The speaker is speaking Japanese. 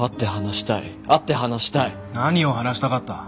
何を話したかった？